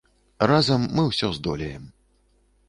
Разам мы ўсё здолеем.